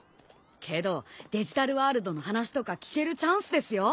けどデジタルワールドの話とか聞けるチャンスですよ。